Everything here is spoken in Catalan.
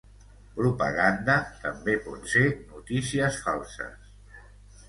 Propaganda també pot ser notícies falses.